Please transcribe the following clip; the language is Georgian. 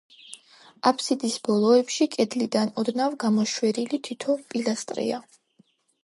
აფსიდის ბოლოებში კედლიდან ოდნავ გამოშვერილი თითო პილასტრია.